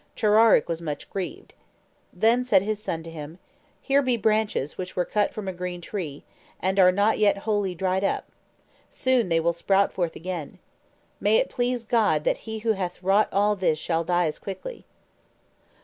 Chararic was much grieved. Then said his son to him, "Here be branches which were cut from a green tree, and are not yet wholly dried up: soon they will sprout forth again. May it please God that he who hath wrought all this shall die as quickly!"